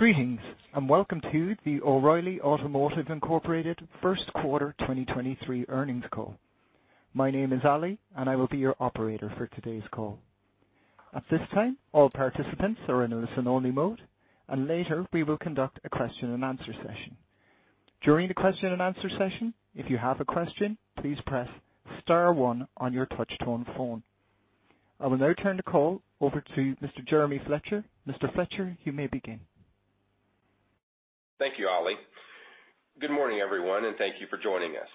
Greetings, and welcome to the O'Reilly Automotive, Inc. first quarter 2023 earnings call. My name is Ali, and I will be your operator for today's call. At this time, all participants are in a listen-only mode, and later we will conduct a question-and-answer session. During the question-and-answer session, if you have a question, please press star one on your touch-tone phone. I will now turn the call over to Mr. Jeremy Fletcher. Mr. Fletcher, you may begin. Thank you, Ali. Good morning, everyone, thank you for joining us.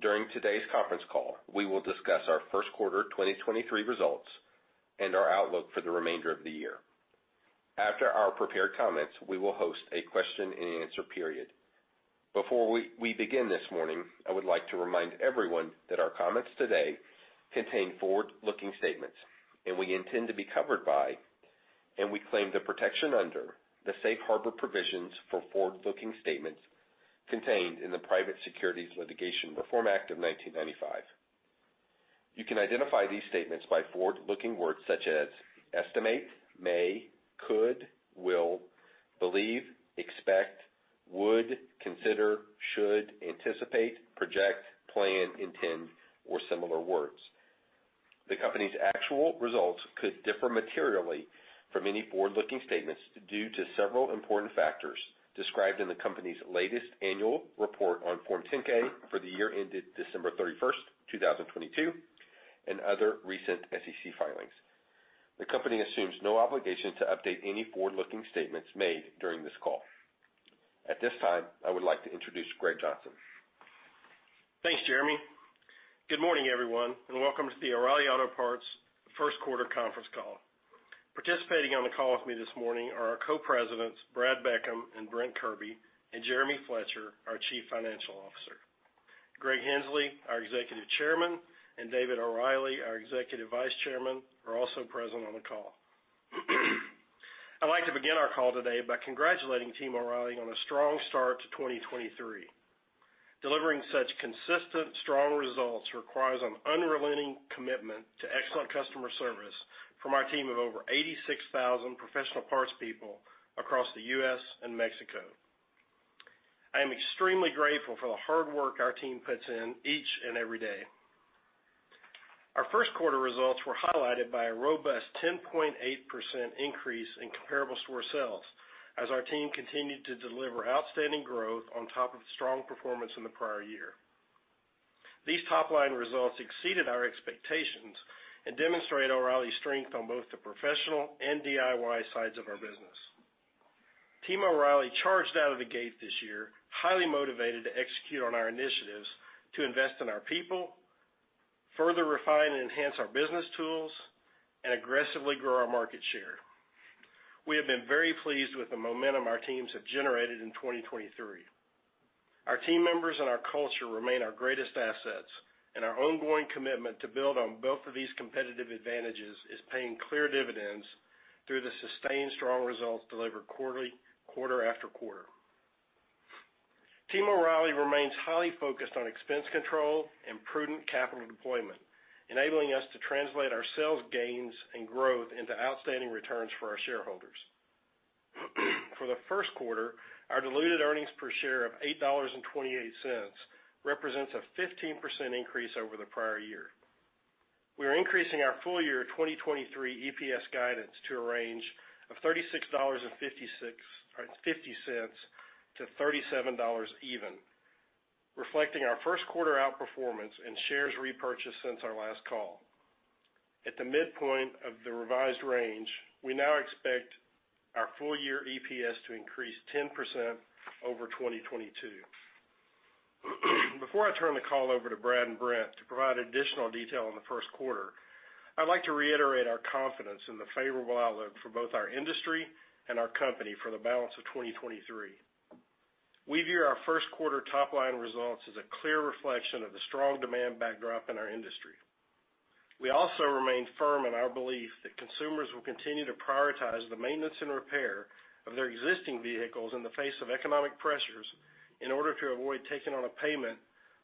During today's conference call, we will discuss our first quarter 2023 results and our outlook for the remainder of the year. After our prepared comments, we will host a question-and-answer period. Before we begin this morning, I would like to remind everyone that our comments today contain forward-looking statements, and we intend to be covered by, and we claim the protection under, the Safe Harbor provisions for forward-looking statements contained in the Private Securities Litigation Reform Act of 1995. You can identify these statements by forward-looking words such as estimate, may, could, will, believe, expect, would, consider, should, anticipate, project, plan, intend, or similar words. The company's actual results could differ materially from any forward-looking statements due to several important factors described in the company's latest annual report on Form 10-K for the year ended December 31, 2022, and other recent SEC filings. The company assumes no obligation to update any forward-looking statements made during this call. At this time, I would like to introduce Greg Johnson. Thanks, Jeremy. Good morning, everyone, and welcome to the O'Reilly Auto Parts first quarter conference call. Participating on the call with me this morning are our Co-Presidents, Brad Beckham and Brent Kirby, and Jeremy Fletcher, our Chief Financial Officer. Greg Henslee, our Executive Chairman, and David O'Reilly, our Executive Vice Chairman, are also present on the call. I'd like to begin our call today by congratulating Team O'Reilly on a strong start to 2023. Delivering such consistent, strong results requires an unrelenting commitment to excellent customer service from our Team of over 86,000 professional parts people across the U.S. and Mexico. I am extremely grateful for the hard work our team puts in each and every day. Our first quarter results were highlighted by a robust 10.8% increase in comparable store sales as our team continued to deliver outstanding growth on top of strong performance in the prior year. These top-line results exceeded our expectations and demonstrate O'Reilly's strength on both the professional and DIY sides of our business. Team O'Reilly charged out of the gate this year, highly motivated to execute on our initiatives to invest in our people, further refine and enhance our business tools, and aggressively grow our market share. We have been very pleased with the momentum our teams have generated in 2023. Our team members and our culture remain our greatest assets, and our ongoing commitment to build on both of these competitive advantages is paying clear dividends through the sustained strong results delivered quarterly, quarter after quarter. Team O'Reilly remains highly focused on expense control and prudent capital deployment, enabling us to translate our sales gains and growth into outstanding returns for our shareholders. For the first quarter, our diluted earnings per share of $8.28 represents a 15% increase over the prior year. We are increasing our full year 2023 EPS guidance to a range of $36.50-$37.00, reflecting our first quarter outperformance and shares repurchase since our last call. At the midpoint of the revised range, we now expect our full year EPS to increase 10% over 2022. Before I turn the call over to Brad and Brent to provide additional detail on the first quarter, I'd like to reiterate our confidence in the favorable outlook for both our industry and our company for the balance of 2023. We view our first quarter top-line results as a clear reflection of the strong demand backdrop in our industry. We also remain firm in our belief that consumers will continue to prioritize the maintenance and repair of their existing vehicles in the face of economic pressures in order to avoid taking on a payment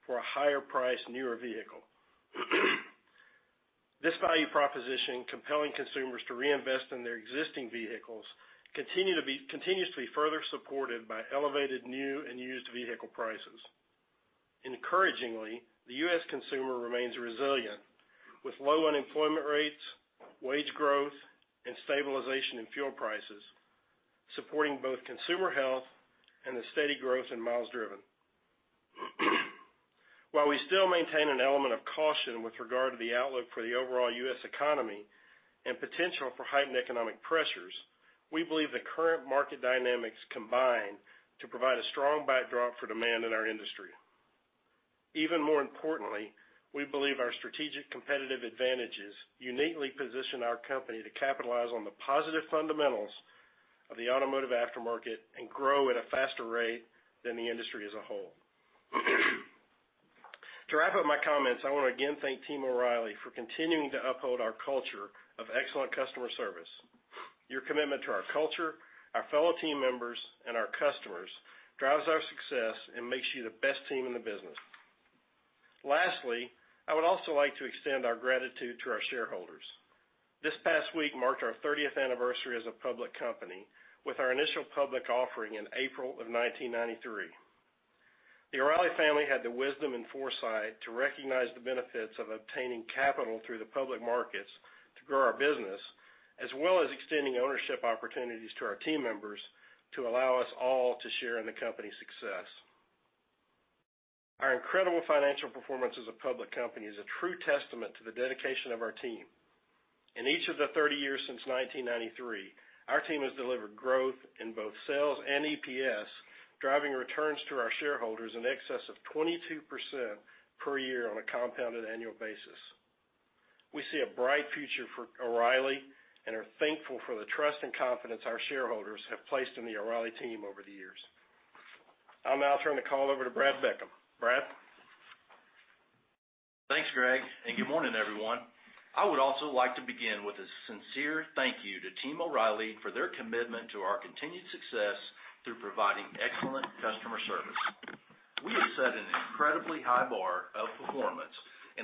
for a higher priced, newer vehicle. This value proposition compelling consumers to reinvest in their existing vehicles continues to be further supported by elevated new and used vehicle prices. Encouragingly, the U.S. consumer remains resilient, with low unemployment rates, wage growth, and stabilization in fuel prices, supporting both consumer health and the steady growth in miles driven. While we still maintain an element of caution with regard to the outlook for the overall U.S. economy and potential for heightened economic pressures, we believe the current market dynamics combine to provide a strong backdrop for demand in our industry. Even more importantly, we believe our strategic competitive advantages uniquely position our company to capitalize on the positive fundamentals of the automotive aftermarket and grow at a faster rate than the industry as a whole. To wrap up my comments, I wanna again thank Team O'Reilly for continuing to uphold our culture of excellent customer service. Your commitment to our culture, our fellow team members, and our customers drives our success and makes you the best team in the business. Lastly, I would also like to extend our gratitude to our shareholders. This past week marked our 30th anniversary as a public company with our initial public offering in April of 1993. The O'Reilly family had the wisdom and foresight to recognize the benefits of obtaining capital through the public markets to grow our business, as well as extending ownership opportunities to our team members to allow us all to share in the company's success. Our incredible financial performance as a public company is a true testament to the dedication of our team. In each of the 30 years since 1993, our team has delivered growth in both sales and EPS, driving returns to our shareholders in excess of 22% per year on a compounded annual basis. We see a bright future for O'Reilly and are thankful for the trust and confidence our shareholders have placed in the O'Reilly team over the years. I'll now turn the call over to Brad Beckham. Brad? Thanks, Greg. Good morning, everyone. I would also like to begin with a sincere thank you to Team O'Reilly for their commitment to our continued success through providing excellent customer service. We have set an incredibly high bar of performance.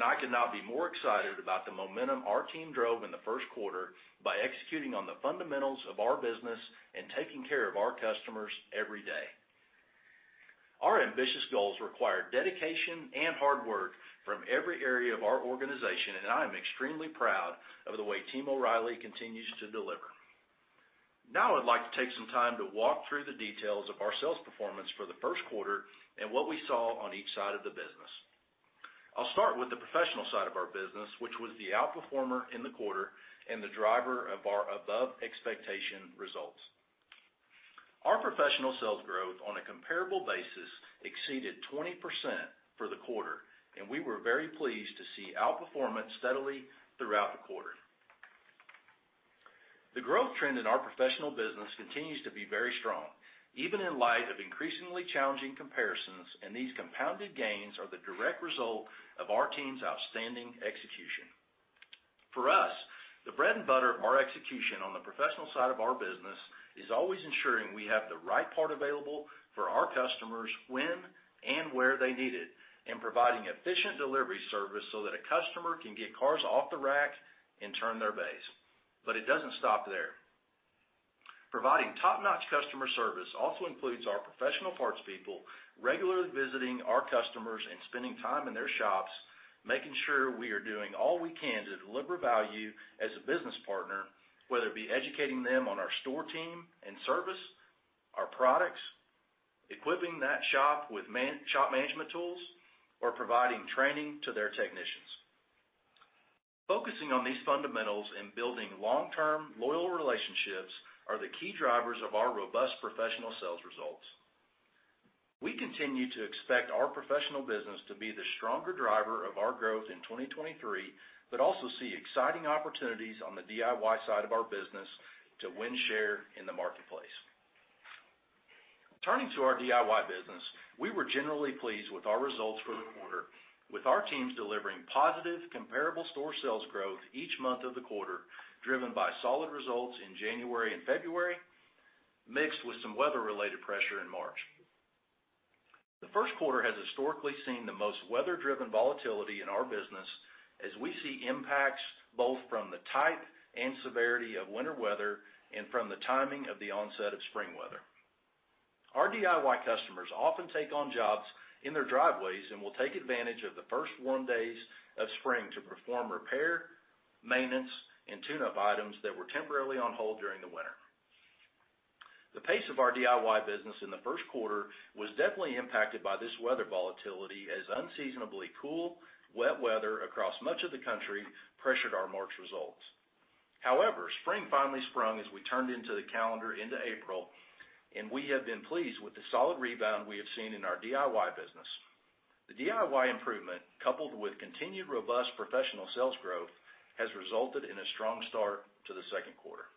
I could not be more excited about the momentum our team drove in the first quarter by executing on the fundamentals of our business and taking care of our customers every day. Our ambitious goals require dedication and hard work from every area of our organization. I am extremely proud of the way Team O'Reilly continues to deliver. I'd like to take some time to walk through the details of our sales performance for the first quarter and what we saw on each side of the business. I'll start with the professional side of our business, which was the outperformer in the quarter and the driver of our above-expectation results. Our professional sales growth on a comparable basis exceeded 20% for the quarter, and we were very pleased to see outperformance steadily throughout the quarter. The growth trend in our professional business continues to be very strong, even in light of increasingly challenging comparisons, and these compounded gains are the direct result of our team's outstanding execution. For us, the bread and butter of our execution on the professional side of our business is always ensuring we have the right part available for our customers when and where they need it and providing efficient delivery service so that a customer can get cars off the rack and turn their base. It doesn't stop there. Providing top-notch customer service also includes our professional parts people regularly visiting our customers and spending time in their shops, making sure we are doing all we can to deliver value as a business partner, whether it be educating them on our store team and service, our products, equipping that shop with shop management tools, or providing training to their technicians. Focusing on these fundamentals and building long-term loyal relationships are the key drivers of our robust professional sales results. We continue to expect our professional business to be the stronger driver of our growth in 2023. Also see exciting opportunities on the DIY side of our business to win share in the marketplace. Turning to our DIY business, we were generally pleased with our results for the quarter, with our teams delivering positive comparable store sales growth each month of the quarter, driven by solid results in January and February, mixed with some weather-related pressure in March. The first quarter has historically seen the most weather-driven volatility in our business as we see impacts both from the type and severity of winter weather and from the timing of the onset of spring weather. Our DIY customers often take on jobs in their driveways and will take advantage of the first warm days of spring to perform repair, maintenance, and tune-up items that were temporarily on hold during the winter. The pace of our DIY business in the first quarter was definitely impacted by this weather volatility as unseasonably cool, wet weather across much of the country pressured our March results. Spring finally sprung as we turned into the calendar into April, and we have been pleased with the solid rebound we have seen in our DIY business. The DIY improvement, coupled with continued robust professional sales growth, has resulted in a strong start to the second quarter.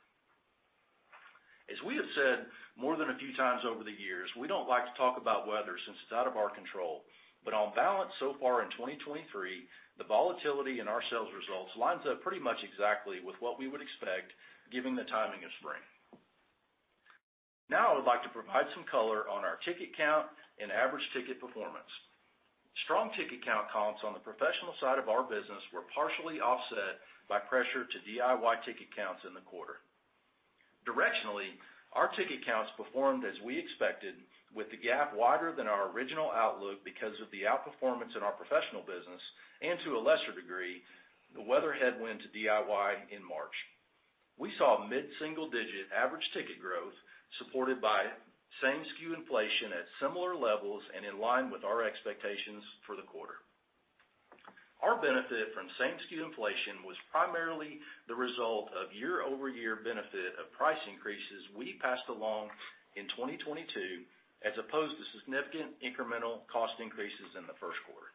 As we have said more than a few times over the years, we don't like to talk about weather since it's out of our control. On balance so far in 2023, the volatility in our sales results lines up pretty much exactly with what we would expect given the timing of spring. I would like to provide some color on our ticket count and average ticket performance. Strong ticket count comps on the professional side of our business were partially offset by pressure to DIY ticket counts in the quarter. Our ticket counts performed as we expected, with the gap wider than our original outlook because of the outperformance in our professional business and, to a lesser degree, the weather headwind to DIY in March. We saw mid-single-digit average ticket growth supported by same-sku inflation at similar levels and in line with our expectations for the quarter. Our benefit from same-sku inflation was primarily the result of year-over-year benefit of price increases we passed along in 2022, as opposed to significant incremental cost increases in the first quarter.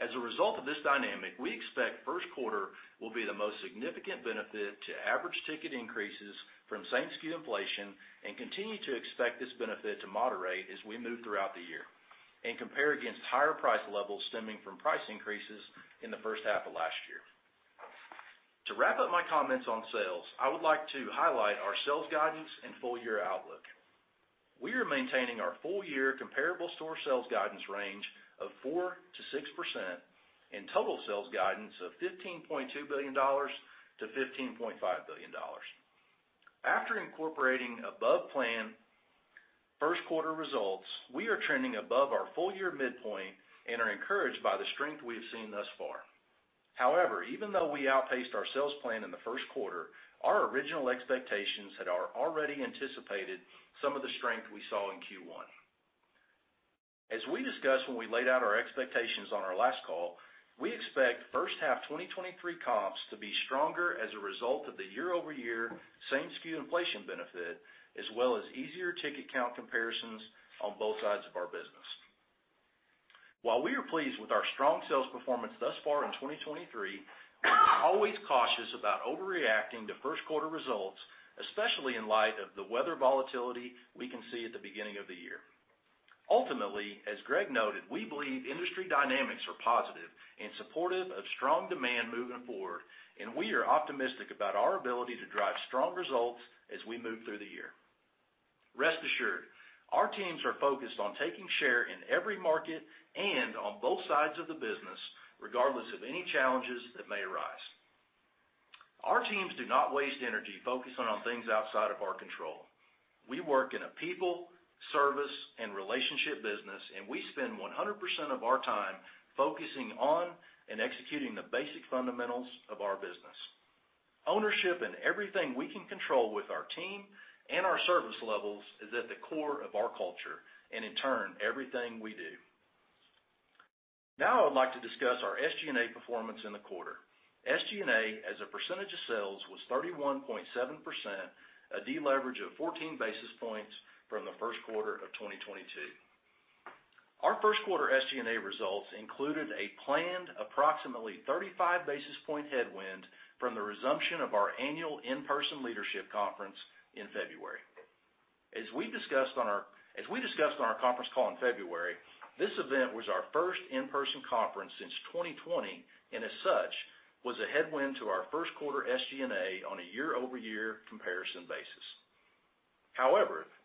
As a result of this dynamic, we expect first quarter will be the most significant benefit to average ticket increases from same-SKU inflation and continue to expect this benefit to moderate as we move throughout the year and compare against higher price levels stemming from price increases in the first half of last year. To wrap up my comments on sales, I would like to highlight our sales guidance and full year outlook. We are maintaining our full year comparable store sales guidance range of 4%-6% and total sales guidance of $15.2 billion-$15.5 billion. After incorporating above plan first quarter results, we are trending above our full year midpoint and are encouraged by the strength we have seen thus far. However, even though we outpaced our sales plan in the first quarter, our original expectations had already anticipated some of the strength we saw in Q1. As we discussed when we laid out our expectations on our last call, we expect first half 2023 comps to be stronger as a result of the year-over-year same-SKU inflation benefit, as well as easier ticket count comparisons on both sides of our business. While we are pleased with our strong sales performance thus far in 2023, we're always cautious about overreacting to first quarter results, especially in light of the weather volatility we can see at the beginning of the year. Ultimately, as Greg noted, we believe industry dynamics are positive and supportive of strong demand moving forward, and we are optimistic about our ability to drive strong results as we move through the year. Rest assured, our teams are focused on taking share in every market and on both sides of the business, regardless of any challenges that may arise. Our teams do not waste energy focusing on things outside of our control. We work in a people, service, and relationship business, and we spend 100% of our time focusing on and executing the basic fundamentals of our business. Ownership and everything we can control with our team and our service levels is at the core of our culture, and in turn, everything we do. I would like to discuss our SG&A performance in the quarter. SG&A, as a percentage of sales, was 31.7%, a deleverage of 14 basis points from the first quarter of 2022. Our first quarter SG&A results included a planned approximately 35 basis point headwind from the resumption of our annual in-person leadership conference in February. As we discussed on our conference call in February, this event was our first in-person conference since 2020, and as such, was a headwind to our first quarter SG&A on a year-over-year comparison basis.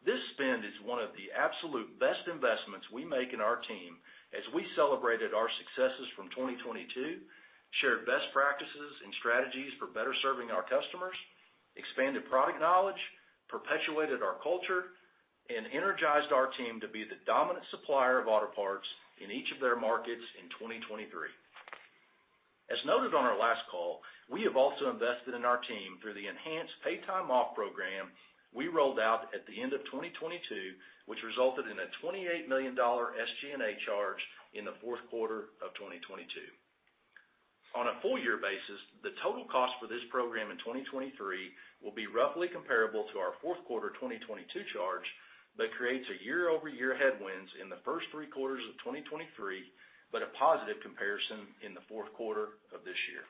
This spend is one of the absolute best investments we make in our team as we celebrated our successes from 2022, shared best practices and strategies for better serving our customers, expanded product knowledge, perpetuated our culture, and energized our team to be the dominant supplier of auto parts in each of their markets in 2023. As noted on our last call, we have also invested in our team through the enhanced paid time off program we rolled out at the end of 2022, which resulted in a $28 million SG&A charge in the fourth quarter of 2022. On a full year basis, the total cost for this program in 2023 will be roughly comparable to our fourth quarter 2022 charge that creates a year-over-year headwinds in the first three quarters of 2023, but a positive comparison in the fourth quarter of this year.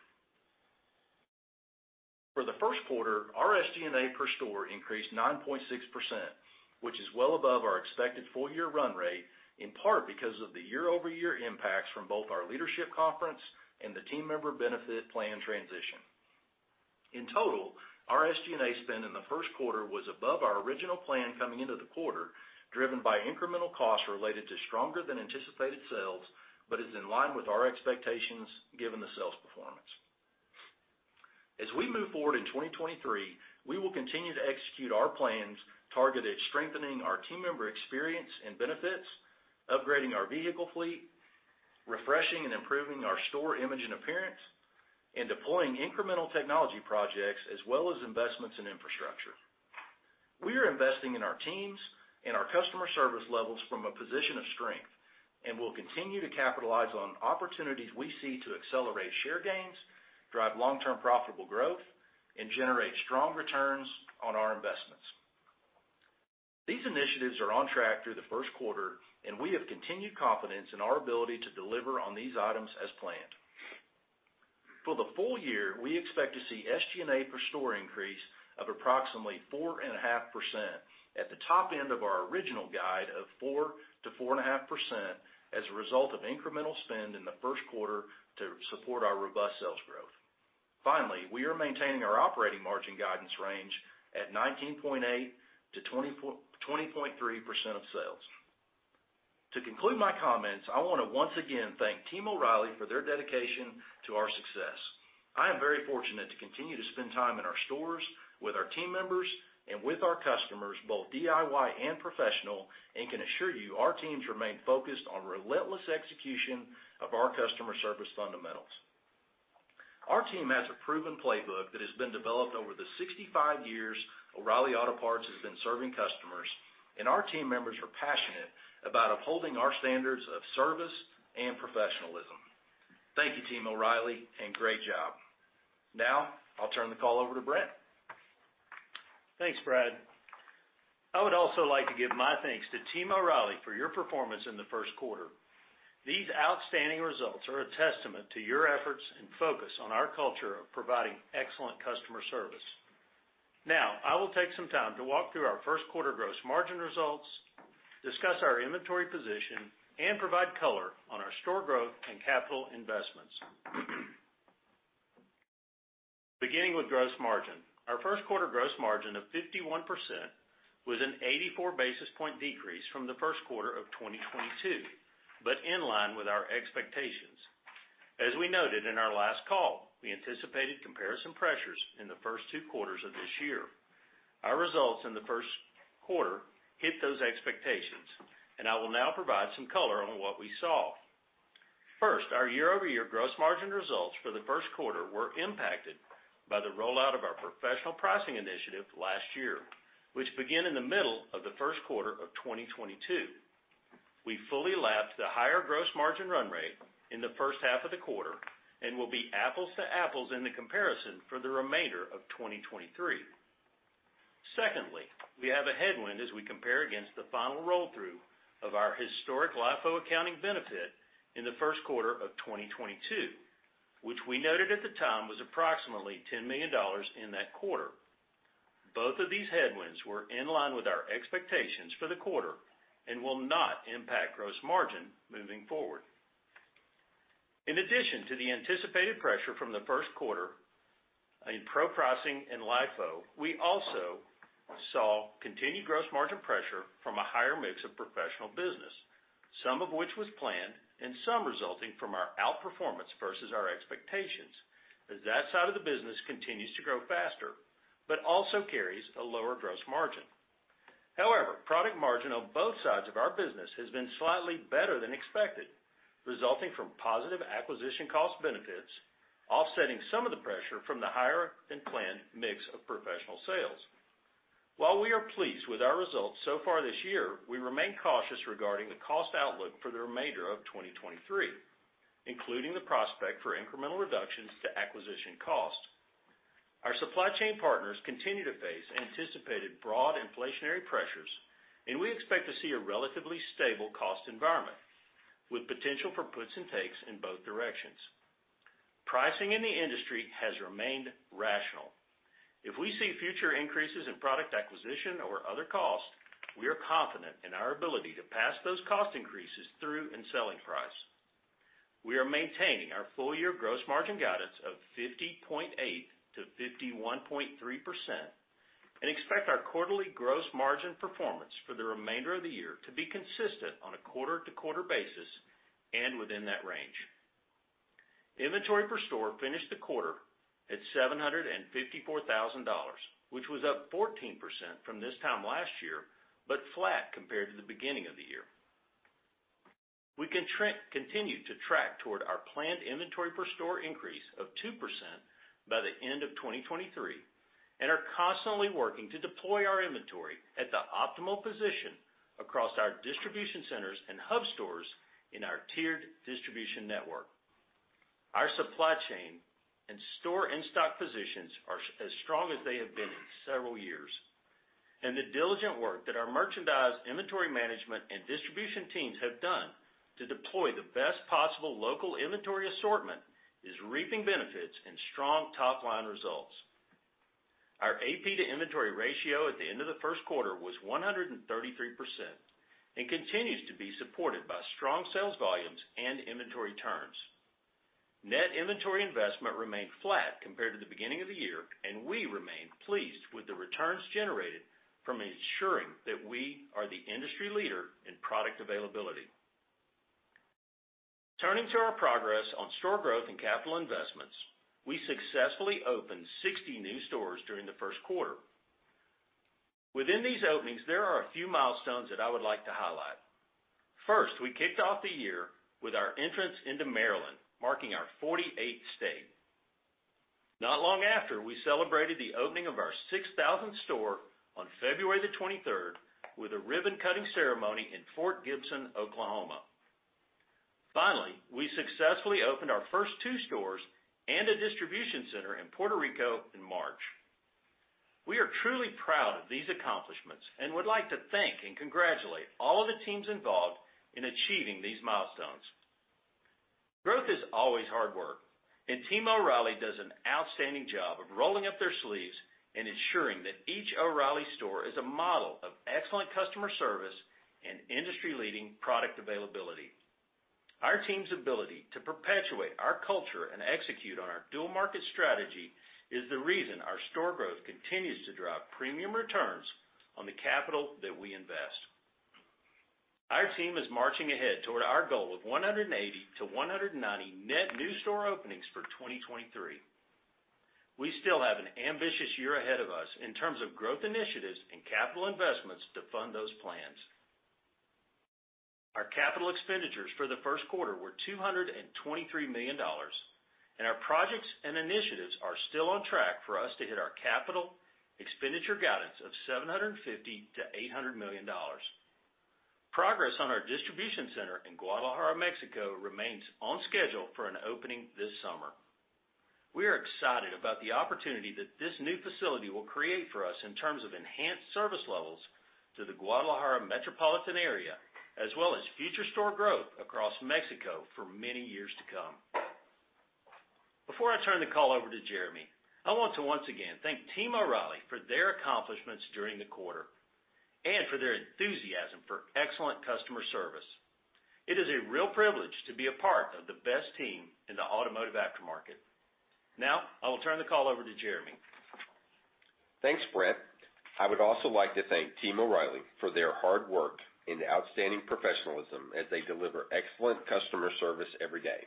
For the first quarter, our SG&A per store increased 9.6%, which is well above our expected full year run rate, in part because of the year-over-year impacts from both our leadership conference and the team member benefit plan transition. In total, our SG&A spend in the first quarter was above our original plan coming into the quarter, driven by incremental costs related to stronger than anticipated sales, but is in line with our expectations given the sales performance. We move forward in 2023, we will continue to execute our plans targeted at strengthening our team member experience and benefits, upgrading our vehicle fleet, refreshing and improving our store image and appearance, and deploying incremental technology projects, as well as investments in infrastructure. We are investing in our teams and our customer service levels from a position of strength and will continue to capitalize on opportunities we see to accelerate share gains, drive long-term profitable growth, and generate strong returns on our investments. These initiatives are on track through the first quarter, we have continued confidence in our ability to deliver on these items as planned. For the full year, we expect to see SG&A per store increase of approximately 4.5% at the top end of our original guide of 4%-4.5% as a result of incremental spend in the first quarter to support our robust sales growth. Finally, we are maintaining our operating margin guidance range at 19.8%-20.3% of sales. To conclude my comments, I wanna once again thank Team O'Reilly for their dedication to our success. I am very fortunate to continue to spend time in our stores, with our team members, and with our customers, both DIY and professional, and can assure you our teams remain focused on relentless execution of our customer service fundamentals. Our team has a proven playbook that has been developed over the 65 years O'Reilly Auto Parts has been serving customers, and our team members are passionate about upholding our standards of service and professionalism. Thank you, Team O'Reilly, and great job. Now, I'll turn the call over to Brent. Thanks, Brad. I would also like to give my thanks to Team O’Reilly for your performance in the first quarter. These outstanding results are a testament to your efforts and focus on our culture of providing excellent customer service. Now I will take some time to walk through our first quarter gross margin results, discuss our inventory position, and provide color on our store growth and capital investments. Beginning with gross margin. Our first quarter gross margin of 51% was an 84 basis point decrease from the first quarter of 2022, in line with our expectations. As we noted in our last call, we anticipated comparison pressures in the first two quarters of this year. Our results in the first quarter hit those expectations. I will now provide some color on what we saw. Our year-over-year gross margin results for the first quarter were impacted by the rollout of our professional pricing initiative last year, which began in the middle of the first quarter of 2022. We fully lapped the higher gross margin run rate in the first half of the quarter and will be apples to apples in the comparison for the remainder of 2023. We have a headwind as we compare against the final roll-through of our historic LIFO accounting benefit in the first quarter of 2022, which we noted at the time was approximately $10 million in that quarter. Both of these headwinds were in line with our expectations for the quarter and will not impact gross margin moving forward. In addition to the anticipated pressure from the first quarter in pro pricing and LIFO, we also saw continued gross margin pressure from a higher mix of professional business, some of which was planned and some resulting from our outperformance versus our expectations, as that side of the business continues to grow faster, but also carries a lower gross margin. However, product margin on both sides of our business has been slightly better than expected, resulting from positive acquisition cost benefits, offsetting some of the pressure from the higher-than-planned mix of professional sales. While we are pleased with our results so far this year, we remain cautious regarding the cost outlook for the remainder of 2023, including the prospect for incremental reductions to acquisition cost. Our supply chain partners continue to face anticipated broad inflationary pressures. We expect to see a relatively stable cost environment with potential for puts and takes in both directions. Pricing in the industry has remained rational. If we see future increases in product acquisition or other costs, we are confident in our ability to pass those cost increases through in selling price. We are maintaining our full-year gross margin guidance of 50.8%-51.3% and expect our quarterly gross margin performance for the remainder of the year to be consistent on a quarter-to-quarter basis and within that range. Inventory per store finished the quarter at $754,000, which was up 14% from this time last year, but flat compared to the beginning of the year. We continue to track toward our planned inventory per store increase of 2% by the end of 2023 and are constantly working to deploy our inventory at the optimal position across our distribution centers and hub stores in our tiered distribution network. The diligent work that our merchandise, inventory management, and distribution teams have done to deploy the best possible local inventory assortment is reaping benefits in strong top-line results. Our AP-to-inventory ratio at the end of the first quarter was 133% and continues to be supported by strong sales volumes and inventory turns. Net inventory investment remained flat compared to the beginning of the year, and we remain pleased with the returns generated from ensuring that we are the industry leader in product availability. Turning to our progress on store growth and capital investments. We successfully opened 60 new stores during the first quarter. Within these openings, there are a few milestones that I would like to highlight. First, we kicked off the year with our entrance into Maryland, marking our 48th state. Not long after, we celebrated the opening of our 6,000th store on February 23rd with a ribbon-cutting ceremony in Fort Gibson, Oklahoma. Finally, we successfully opened our first two stores and a distribution center in Puerto Rico in March. We are truly proud of these accomplishments and would like to thank and congratulate all of the teams involved in achieving these milestones. Growth is always hard work, and Team O’Reilly does an outstanding job of rolling up their sleeves and ensuring that each O’Reilly store is a model of excellent customer service and industry-leading product availability. Our team’s ability to perpetuate our culture and execute on our dual market strategy is the reason our store growth continues to drive premium returns on the capital that we invest. Our team is marching ahead toward our goal of 180-190 net new store openings for 2023. We still have an ambitious year ahead of us in terms of growth initiatives and capital investments to fund those plans. Our capital expenditures for the first quarter were $223 million. Our projects and initiatives are still on track for us to hit our capital expenditure guidance of $750 million-$800 million. Progress on our distribution center in Guadalajara, Mexico, remains on schedule for an opening this summer. We are excited about the opportunity that this new facility will create for us in terms of enhanced service levels to the Guadalajara metropolitan area, as well as future store growth across Mexico for many years to come. Before I turn the call over to Jeremy, I want to once again thank Team O'Reilly for their accomplishments during the quarter and for their enthusiasm for excellent customer service. It is a real privilege to be a part of the best team in the automotive aftermarket. I will turn the call over to Jeremy. Thanks, Brent. I would also like to thank Team O'Reilly for their hard work and outstanding professionalism as they deliver excellent customer service every day.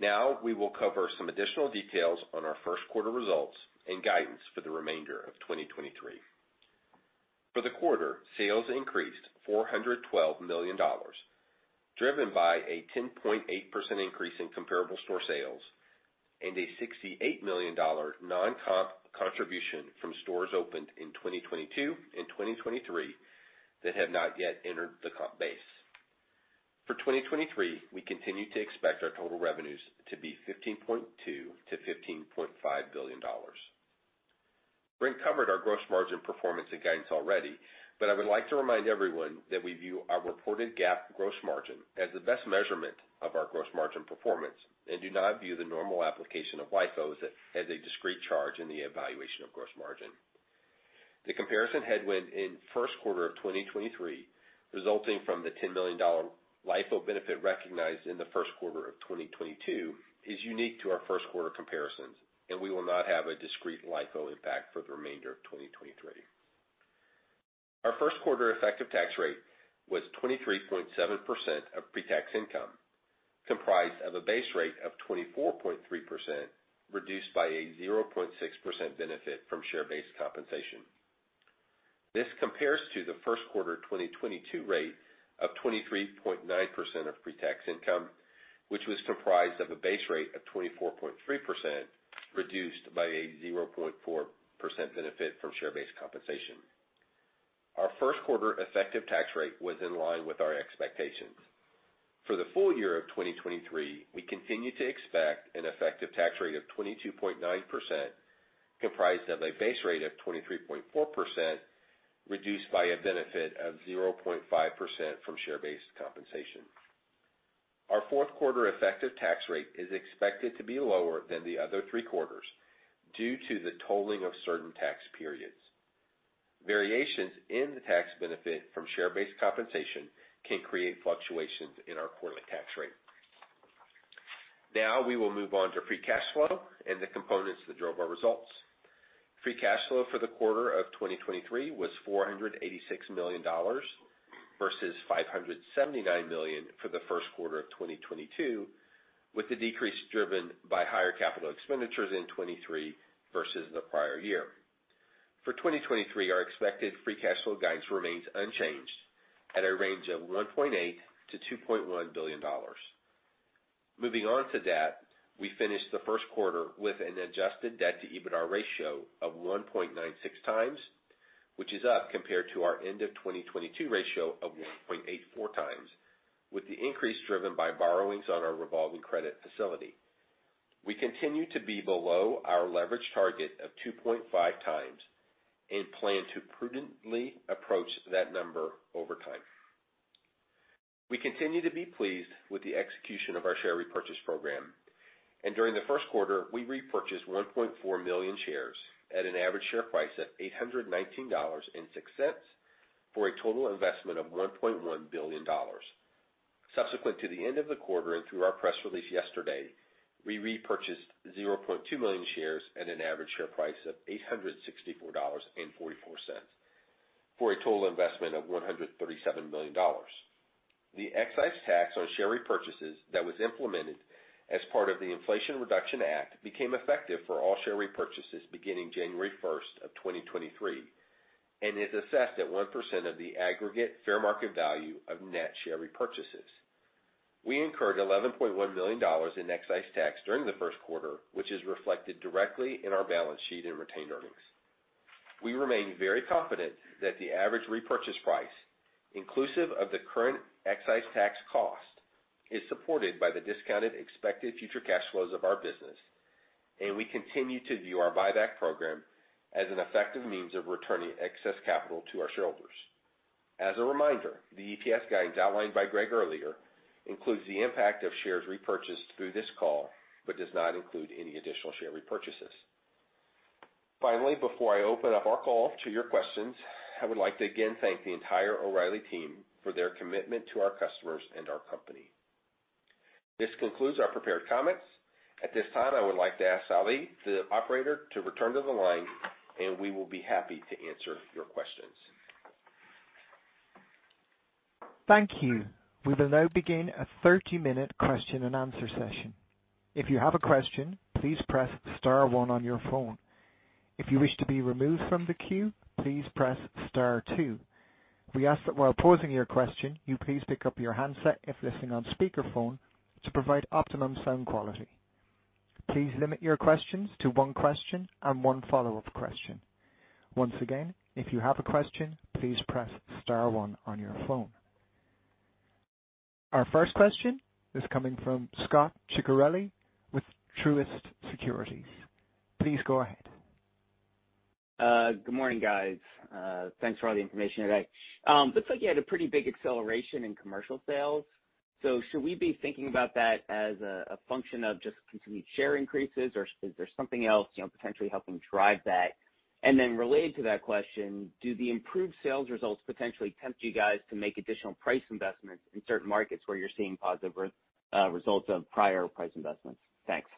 Now we will cover some additional details on our first quarter results and guidance for the remainder of 2023. For the quarter, sales increased $412 million, driven by a 10.8% increase in comparable store sales and a $68 million non-comp contribution from stores opened in 2022 and 2023 that have not yet entered the comp base. For 2023, we continue to expect our total revenues to be $15.2 billion-$15.5 billion. Brent covered our gross margin performance and guidance already, but I would like to remind everyone that we view our reported GAAP gross margin as the best measurement of our gross margin performance and do not view the normal application of LIFO as a discrete charge in the evaluation of gross margin. The comparison headwind in first quarter of 2023, resulting from the $10 million LIFO benefit recognized in the first quarter of 2022, is unique to our first quarter comparisons, and we will not have a discrete LIFO impact for the remainder of 2023. Our first quarter effective tax rate was 23.7% of pre-tax income, comprised of a base rate of 24.3%, reduced by a 0.6% benefit from share-based compensation. This compares to the first quarter of 2022 rate of 23.9% of pre-tax income, which was comprised of a base rate of 24.3%, reduced by a 0.4% benefit from share-based compensation. Our first quarter effective tax rate was in line with our expectations. For the full year of 2023, we continue to expect an effective tax rate of 22.9%, comprised of a base rate of 23.4%, reduced by a benefit of 0.5% from share-based compensation. Our fourth quarter effective tax rate is expected to be lower than the other three quarters due to the totaling of certain tax periods. Variations in the tax benefit from share-based compensation can create fluctuations in our quarterly tax rate. We will move on to free cash flow and the components that drove our results. Free cash flow for the quarter of 2023 was $486 million versus $579 million for the first quarter of 2022, with the decrease driven by higher capital expenditures in 2023 versus the prior year. For 2023, our expected free cash flow guidance remains unchanged at a range of $1.8 billion-$2.1 billion. Moving on to debt. We finished the first quarter with an adjusted debt to EBITDA ratio of 1.96x which is up compared to our end of 2022 ratio of 1.84x, with the increase driven by borrowings on our revolving credit facility. We continue to be below our leverage target of 2.5x and plan to prudently approach that number over time. We continue to be pleased with the execution of our share repurchase program. During the first quarter, we repurchased 1.4 million shares at an average share price of $819.06 for a total investment of $1.1 billion. Subsequent to the end of the quarter and through our press release yesterday, we repurchased 0.2 million shares at an average share price of $864.44 for a total investment of $137 million. The excise tax on share repurchases that was implemented as part of the Inflation Reduction Act became effective for all share repurchases beginning January first of 2023 and is assessed at 1% of the aggregate fair market value of net share repurchases. We incurred $11.1 million in excise tax during the first quarter, which is reflected directly in our balance sheet and retained earnings. We remain very confident that the average repurchase price, inclusive of the current excise tax cost, is supported by the discounted expected future cash flows of our business, and we continue to view our buyback program as an effective means of returning excess capital to our shareholders. As a reminder, the EPS guidance outlined by Greg earlier includes the impact of shares repurchased through this call but does not include any additional share repurchases. Finally, before I open up our call to your questions, I would like to again thank the entire O'Reilly team for their commitment to our customers and our company. This concludes our prepared comments. At this time, I would like to ask Ali, the operator, to return to the line, and we will be happy to answer your questions. Thank you. We will now begin a 30-minute question and answer session. If you have a question, please press star one on your phone. If you wish to be removed from the queue, please press star two. We ask that while posing your question, you please pick up your handset if listening on speakerphone to provide optimum sound quality. Please limit your questions to one question and one follow-up question. Once again, if you have a question, please press star one on your phone. Our first question is coming from Scot Ciccarelli with Truist Securities. Please go ahead. Good morning, guys. Thanks for all the information today. Looks like you had a pretty big acceleration in commercial sales. Should we be thinking about that as a function of just continued share increases, or is there something else, you know, potentially helping drive that? Related to that question, do the improved sales results potentially tempt you guys to make additional price investments in certain markets where you're seeing positive results of prior price investments? Thanks.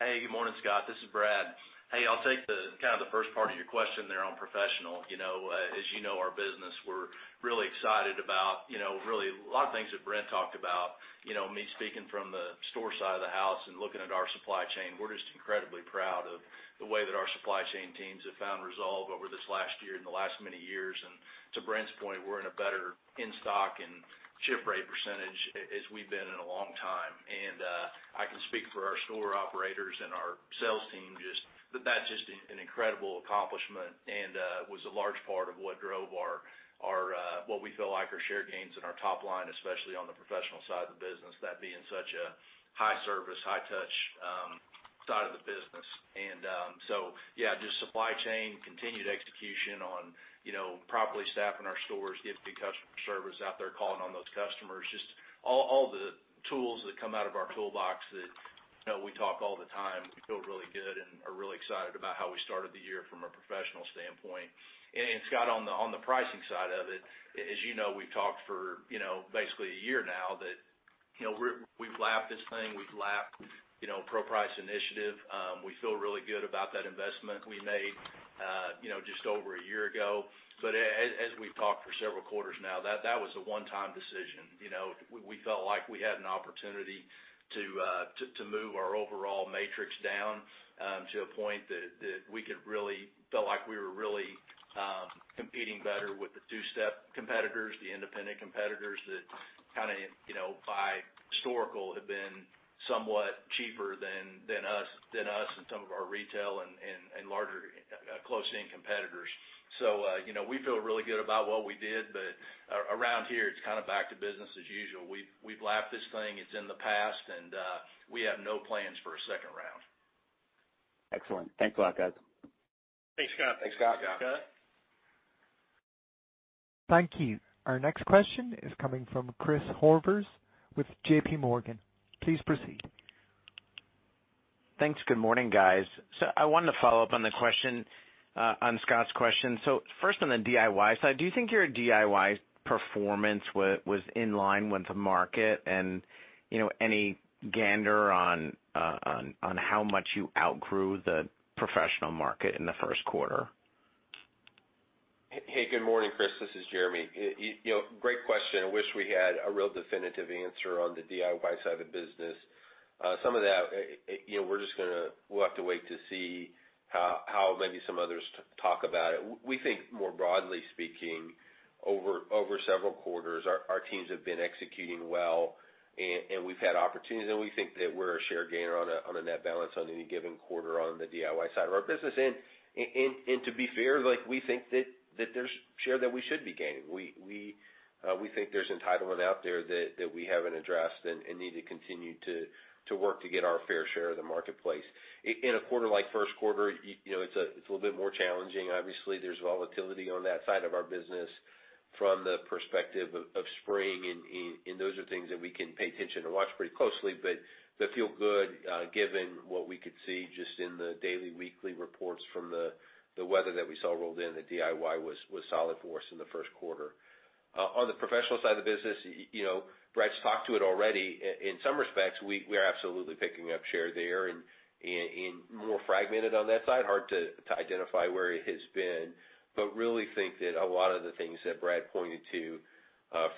Hey, good morning, Scot. This is Brad. Hey, I'll take kind of the first part of your question there on professional. You know, as you know our business, we're really excited about, you know, really a lot of things that Brent talked about, you know, me speaking from the store side of the house and looking at our supply chain, we're just incredibly proud of the way that our supply chain teams have found resolve over this last year, in the last many years. To Brent's point, we're in a better in-stock and ship rate percentage as we've been in a long time. I can speak for our store operators and our sales team just that that's just an incredible accomplishment, and, was a large part of what drove our what we feel like our share gains in our top line, especially on the professional side of the business, that being such a high service, high touch, side of the business. So yeah, just supply chain, continued execution on, you know, properly staffing our stores, getting good customer service out there, calling on those customers, just all the tools that come out of our toolbox that, you know, we talk all the time, we feel really good and are really excited about how we started the year from a professional standpoint. Scott, on the pricing side of it, as you know, we've talked for basically a year now that we've lapped this thing, we've lapped pro price initiative. We feel really good about that investment we made just over a year ago. As we've talked for several quarters now, that was a one-time decision. We felt like we had an opportunity to move our overall matrix down to a point that we felt like we were really competing better with the two-step competitors, the independent competitors that kind of by historical have been somewhat cheaper than us and some of our retail and larger close-in competitors. You know, we feel really good about what we did, but around here, it's kind of back to business as usual. We've lapped this thing, it's in the past, and we have no plans for a second round. Excellent. Thanks a lot, guys. Thanks, Scot. Thanks, Scot. Thank you. Our next question is coming from Chris Horvers with JPMorgan. Please proceed. Thanks. Good morning, guys. I wanted to follow up on the question, on Scot's question. First on the DIY side, do you think your DIY performance was in line with the market? You know, any gander on how much you outgrew the professional market in the first quarter? Hey, good morning, Chris. This is Jeremy. You know, great question. I wish we had a real definitive answer on the DIY side of the business. Some of that, you know, we'll have to wait to see how maybe some others talk about it. We think more broadly speaking, over several quarters, our teams have been executing well and we've had opportunities, and we think that we're a share gainer on a net balance on any given quarter on the DIY side of our business. To be fair, like, we think that there's share that we should be gaining. We think there's entitlement out there that we haven't addressed and need to continue to work to get our fair share of the marketplace. In a quarter like first quarter, you know, it's a little bit more challenging. Obviously, there's volatility on that side of our business from the perspective of spring and those are things that we can pay attention and watch pretty closely. They feel good, given what we could see just in the daily, weekly reports from the weather that we saw rolled in, the DIY was solid for us in the first quarter. On the professional side of the business, you know, Brad's talked to it already. In some respects, we are absolutely picking up share there and more fragmented on that side, hard to identify where it has been. Really think that a lot of the things that Brad pointed to,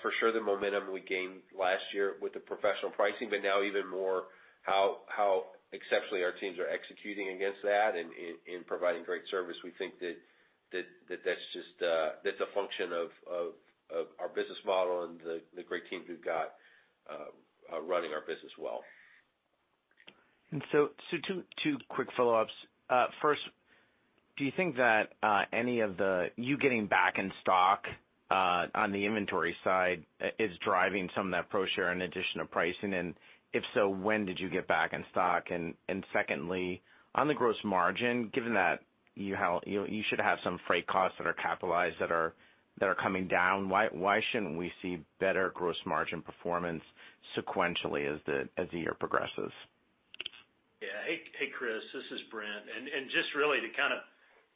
for sure the momentum we gained last year with the professional pricing, but now even more how exceptionally our teams are executing against that and providing great service. We think that's just, that's a function of our business model and the great teams we've got running our business well. Two quick follow-ups. First, do you think that any of the you getting back in stock on the inventory side is driving some of that pro share in addition to pricing? If so, when did you get back in stock? Secondly, on the gross margin, given that you should have some freight costs that are capitalized that are coming down, why shouldn't we see better gross margin performance sequentially as the year progresses? Yeah. Hey, hey, Chris, this is Brent. Just really to kind of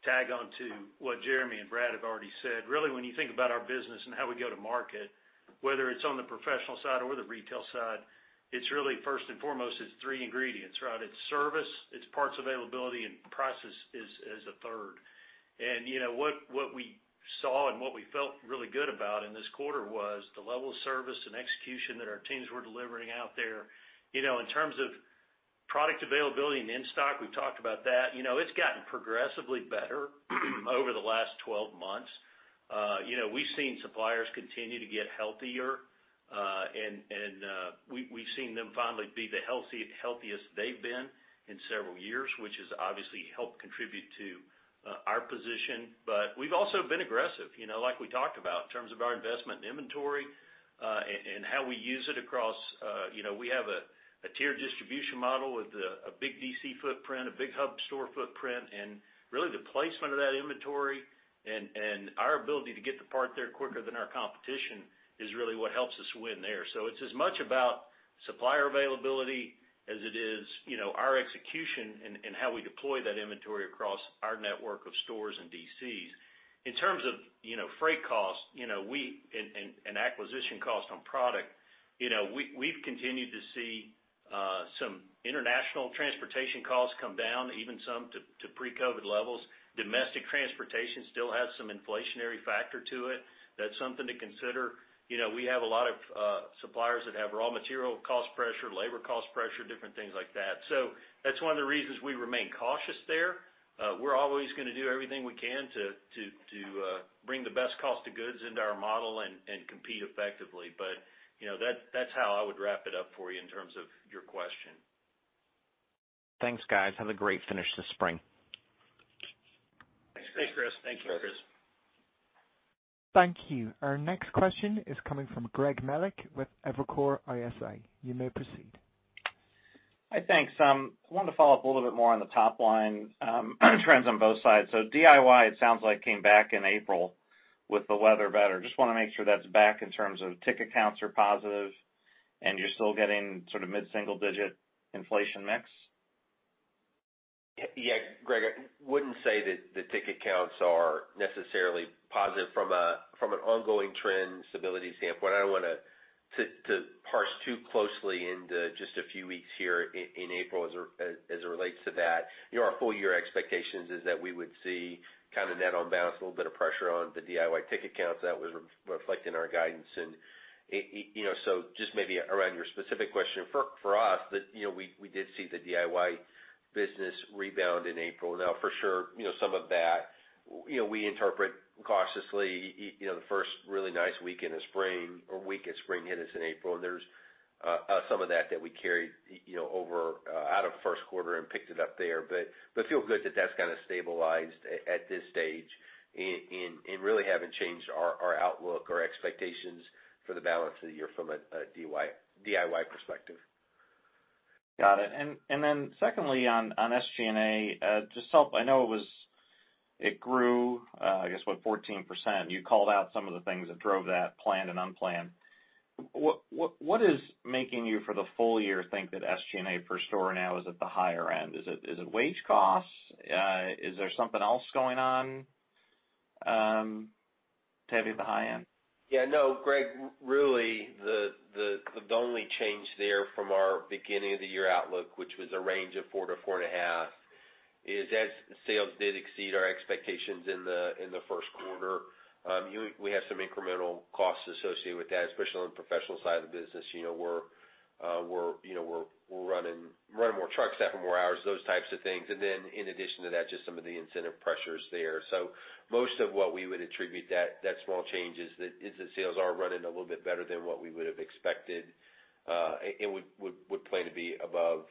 tag on to what Jeremy and Brad have already said, really, when you think about our business and how we go to market, whether it's on the professional side or the retail side, it's really first and foremost, it's three ingredients, right? It's service, it's parts availability, and price is, is a third. You know, what we saw and what we felt really good about in this quarter was the level of service and execution that our teams were delivering out there. You know, in terms of product availability and in-stock, we've talked about that. You know, it's gotten progressively better over the last 12 months. You know, we've seen suppliers continue to get healthier, and we've seen them finally be the healthiest they've been in several years, which has obviously helped contribute to our position. We've also been aggressive, you know, like we talked about in terms of our investment in inventory, and how we use it across. You know, we have a tier distribution model with a big DC footprint, a big hub store footprint, and really the placement of that inventory and our ability to get the part there quicker than our competition is really what helps us win there. It's as much about supplier availability as it is, you know, our execution and how we deploy that inventory across our network of stores and DCs. In terms of, you know, freight costs, you know, and acquisition cost on product, you know, we've continued to see some international transportation costs come down even to pre-COVID levels. Domestic transportation still has some inflationary factor to it. That's something to consider. You know, we have a lot of suppliers that have raw material cost pressure, labor cost pressure, different things like that. That's one of the reasons we remain cautious there. We're always gonna do everything we can to bring the best cost to goods into our model and compete effectively. You know, that's how I would wrap it up for you in terms of your question. Thanks, guys. Have a great finish this spring. Thanks. Thanks, Chris. Thank you. Thank you. Our next question is coming from Greg Melich with Evercore ISI. You may proceed. Hi. Thanks. wanted to follow up a little bit more on the top line, trends on both sides. DIY, it sounds like came back in April with the weather better, just wanna make sure that's back in terms of ticket counts are positive, and you're still getting sort of mid-single digit inflation mix? Yeah, Greg, I wouldn't say that the ticket counts are necessarily positive from an ongoing trend stability standpoint. I don't wanna to parse too closely into just a few weeks here in April as it relates to that. You know, our full year expectations is that we would see kind of net on balance, a little bit of pressure on the DIY ticket counts that was reflecting our guidance. You know, just maybe around your specific question, for us, the... you know, we did see the DIY business rebound in April. For sure, you know, some of that, you know, we interpret cautiously, you know, the first really nice weekend of spring or week of spring hit us in April, and there's some of that that we carried, you know, over out of first quarter and picked it up there. But feel good that that's kinda stabilized at this stage and really haven't changed our outlook or expectations for the balance of the year from a DIY perspective. Got it. Then secondly, on SG&A, just help. I know it grew, I guess what? 14%. You called out some of the things that drove that planned and unplanned. What is making you for the full year think that SG&A per store now is at the higher end? Is it wage costs? Is there something else going on to have you at the high end? Yeah. No, Greg, really, the only change there from our beginning of the year outlook, which was a range of 4% to 4.5%, is as sales did exceed our expectations in the first quarter, we have some incremental costs associated with that, especially on the professional side of the business. You know, we're, you know, we're running more trucks, staffing more hours, those types of things. In addition to that, just some of the incentive pressures there. Most of what we would attribute that small change is that sales are running a little bit better than what we would've expected. We would plan to be above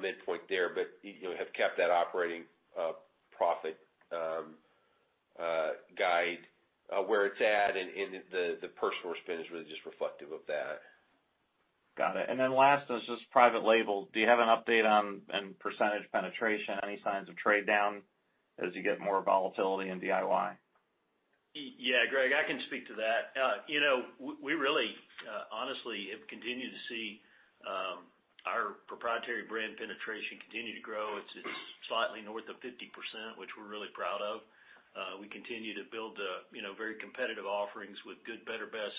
midpoint there. You know, have kept that operating, profit, guide, where it's at and the personal spend is really just reflective of that. Got it. Then last is just private label. Do you have an update on and % penetration? Any signs of trade down as you get more volatility in DIY? Yeah, Greg, I can speak to that. you know, we really honestly have continued to see our proprietary brand penetration continue to grow. It's slightly north of 50%, which we're really proud of. we continue to build, you know, very competitive offerings with good, better, best,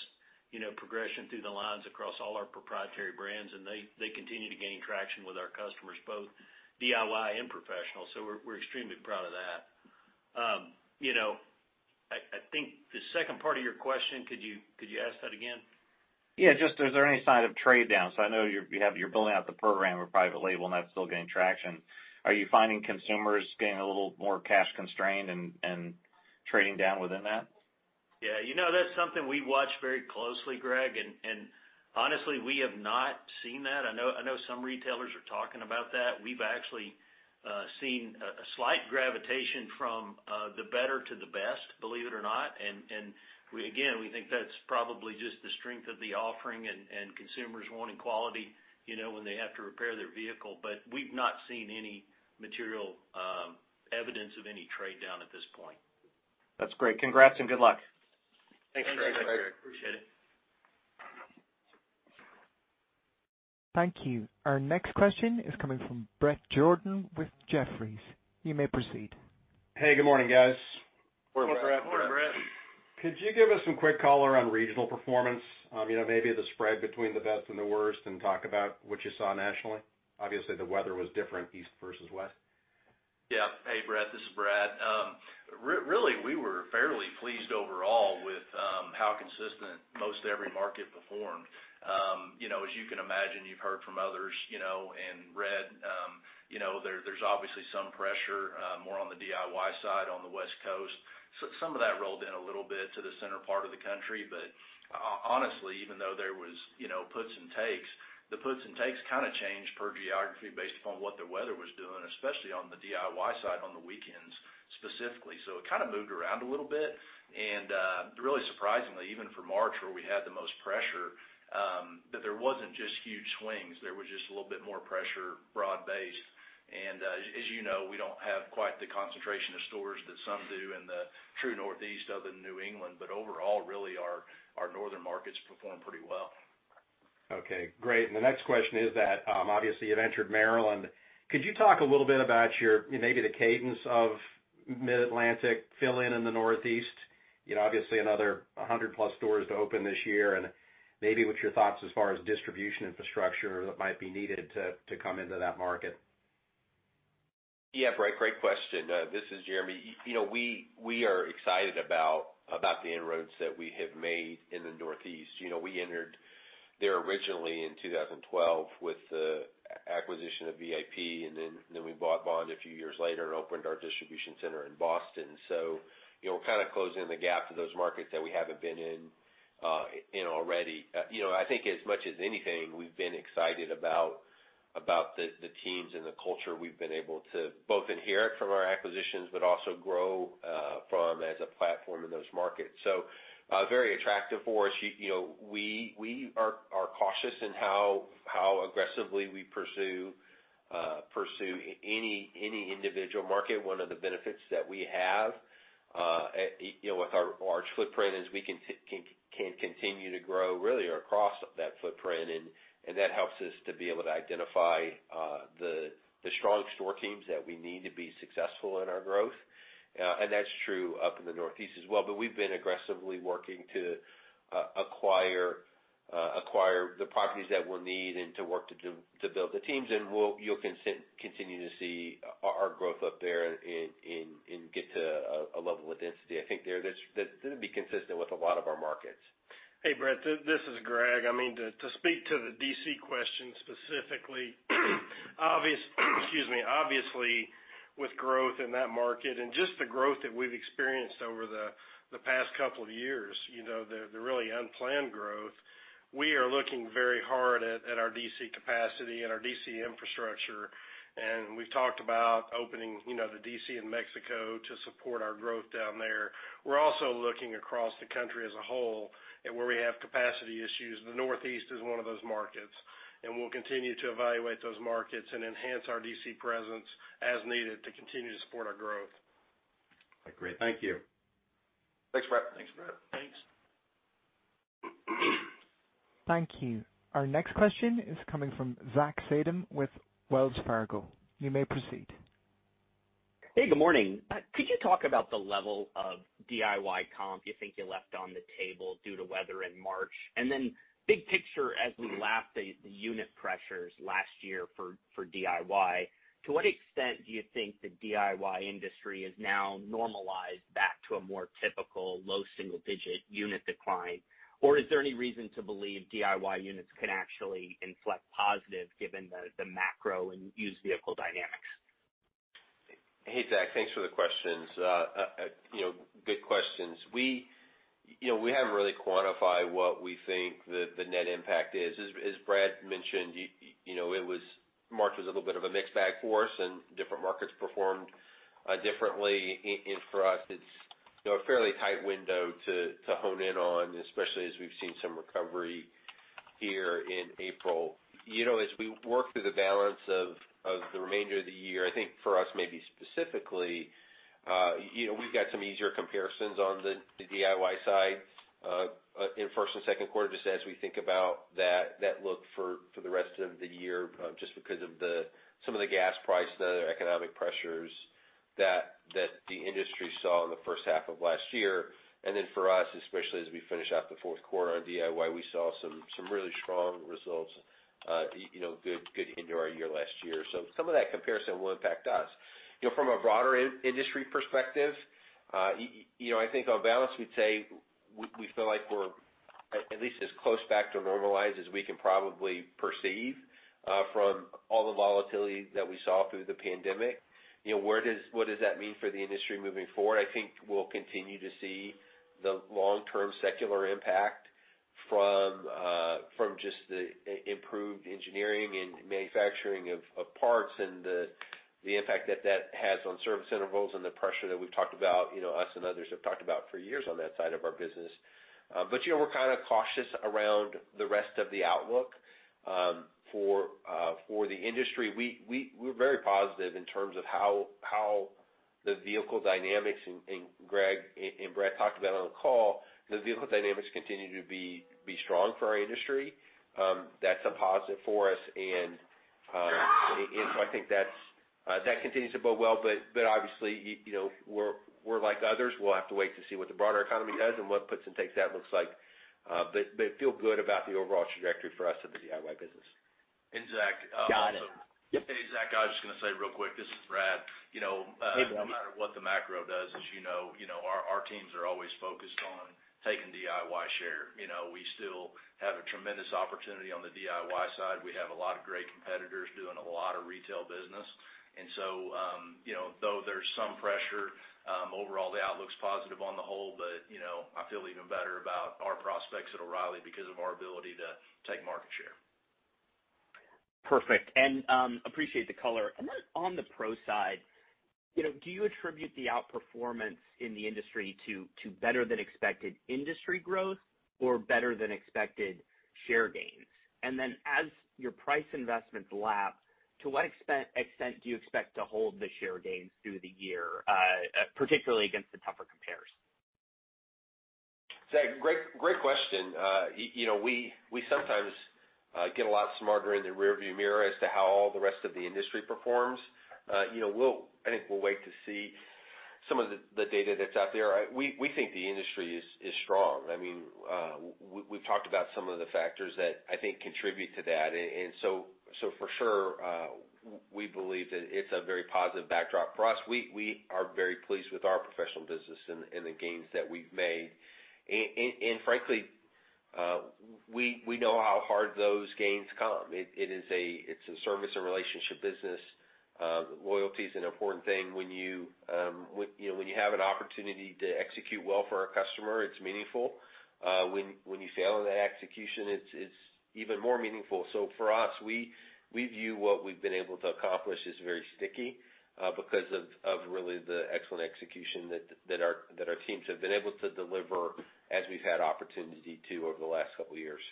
you know, progression through the lines across all our proprietary brands, and they continue to gain traction with our customers, both DIY and professional. we're extremely proud of that. you know, I think the second part of your question, could you ask that again? Yeah. Just is there any sign of trade down? I know you're building out the program of private label and that's still gaining traction. Are you finding consumers getting a little more cash constrained and trading down within that? Yeah. You know, that's something we watch very closely, Greg, and honestly, we have not seen that. I know some retailers are talking about that. We've actually seen a slight gravitation from the better to the best, believe it or not. We again, we think that's probably just the strength of the offering and consumers wanting quality, you know, when they have to repair their vehicle. We've not seen any material evidence of any trade down at this point. That's great. Congrats and good luck. Thanks, Greg. Appreciate it. Thank you. Our next question is coming from Bret Jordan with Jefferies. You may proceed. Hey, good morning, guys. Morning, Bret. Morning, Bret. Could you give us some quick color on regional performance? You know, maybe the spread between the best and the worst, and talk about what you saw nationally. Obviously, the weather was different east versus west. Yeah. Hey, Bret, this is Brad. Really, we were fairly pleased overall with how consistent most every market performed. You know, as you can imagine, you've heard from others, you know, and read, you know, there's obviously some pressure, more on the DIY side. West Coast. Some of that rolled in a little bit to the center part of the country. Honestly, even though there was, you know, puts and takes, the puts and takes kinda changed per geography based upon what the weather was doing, especially on the DIY side on the weekends specifically. It kinda moved around a little bit, and really surprisingly, even for March where we had the most pressure, that there wasn't just huge swings. There was just a little bit more pressure broad-based. As you know, we don't have quite the concentration of stores that some do in the true Northeast other than New England. Overall, really our northern markets performed pretty well. Okay, great. The next question is that, obviously you've entered Maryland. Could you talk a little bit about your, you know, maybe the cadence of Mid-Atlantic fill-in in the Northeast? You know, obviously another 100 plus stores to open this year, and maybe what your thoughts as far as distribution infrastructure that might be needed to come into that market? Yeah, Bret, great question. This is Jeremy. You know, we are excited about the inroads that we have made in the Northeast. You know, we entered there originally in 2012 with the acquisition of VIP, and then we bought Bond a few years later and opened our distribution center in Boston. You know, we're kinda closing the gap to those markets that we haven't been in already. You know, I think as much as anything, we've been excited about the teams and the culture we've been able to both inherit from our acquisitions, but also grow from as a platform in those markets. Very attractive for us. You know, we are cautious in how aggressively we pursue any individual market. One of the benefits that we have, you know, with our large footprint is we can continue to grow really across that footprint and that helps us to be able to identify the strong store teams that we need to be successful in our growth. That's true up in the Northeast as well. We've been aggressively working to acquire the properties that we'll need and to work to build the teams and we'll continue to see our growth up there in get to a level of density. I think there that's gonna be consistent with a lot of our markets. Hey, Bret, this is Greg. I mean, to speak to the DC question specifically. Excuse me. Obviously, with growth in that market and just the growth that we've experienced over the past couple of years, you know, the really unplanned growth, we are looking very hard at our DC capacity and our DC infrastructure. We've talked about opening, you know, the DC in Mexico to support our growth down there. We're also looking across the country as a whole and where we have capacity issues, the Northeast is one of those markets, and we'll continue to evaluate those markets and enhance our DC presence as needed to continue to support our growth. Great. Thank you. Thanks, Bret. Thanks, Bret. Thanks. Thank you. Our next question is coming from Zach Fadem with Wells Fargo. You may proceed. Hey, good morning. Could you talk about the level of DIY comp you think you left on the table due to weather in March? Big picture, as we lap the unit pressures last year for DIY, to what extent do you think the DIY industry is now normalized back to a more typical low single-digit unit decline? Is there any reason to believe DIY units can actually inflect positive given the macro and used vehicle dynamics? Hey, Zach, thanks for the questions. you know, good questions. We, you know, we haven't really quantified what we think the net impact is. As Brad mentioned, you know, March was a little bit of a mixed bag for us and different markets performed differently. For us, it's, you know, a fairly tight window to hone in on, especially as we've seen some recovery here in April. You know, as we work through the balance of the remainder of the year, I think for us, maybe specifically, you know, we've got some easier comparisons on the DIY side in first and second quarter, just as we think about that look for the rest of the year, just because of some of the gas price and other economic pressures that the industry saw in the first half of last year. Then for us, especially as we finish out the fourth quarter on DIY, we saw really strong results, you know, good into our year last year. Some of that comparison will impact us. You know, from a broader in-industry perspective, you know, I think on balance, we'd say we feel like we're at least as close back to normalized as we can probably perceive, from all the volatility that we saw through the pandemic. You know, what does that mean for the industry moving forward? I think we'll continue to see the long-term secular impact from just the improved engineering and manufacturing of parts and the impact that that has on service intervals and the pressure that we've talked about, you know, us and others have talked about for years on that side of our business. You know, we're kinda cautious around the rest of the outlook, for the industry. We're very positive in terms of how the vehicle dynamics, and Greg and Brent talked about on the call, the vehicle dynamics continue to be strong for our industry. That's a positive for us and so I think that's that continues to bode well, but obviously, you know, we're like others. We'll have to wait to see what the broader economy does and what puts and takes that looks like. But feel good about the overall trajectory for us in the DIY business. Zach. Got it. Yep. Hey, Zach, I was just gonna say real quick, this is Brad. You know. Hey, Brad. No matter what the macro does, as you know. You know, our teams are always focused on taking DIY share. You know, we still have a tremendous opportunity on the DIY side. We have a lot of great competitors doing a lot of retail business. You know, though there's some pressure, overall the outlook's positive on the whole. You know, I feel even better about our prospects at O'Reilly because of our ability to take market share. Perfect, appreciate the color. On the pro side, you know, do you attribute the outperformance in the industry to better than expected industry growth or better than expected share gains? As your price investments lap, to what extent do you expect to hold the share gains through the year, particularly against the tougher compares? Zach, great question. You know, we sometimes get a lot smarter in the rearview mirror as to how all the rest of the industry performs. You know, I think we'll wait to see some of the data that's out there. We think the industry is strong. I mean, we've talked about some of the factors that I think contribute to that. For sure, we believe that it's a very positive backdrop for us. We are very pleased with our professional business and the gains that we've made. Frankly, we know how hard those gains come. It is a service and relationship business. Loyalty is an important thing. When you know, when you have an opportunity to execute well for our customer, it's meaningful. When you fail in that execution, it's even more meaningful. For us, we view what we've been able to accomplish as very sticky, because of really the excellent execution that our teams have been able to deliver as we've had opportunity to over the last couple years.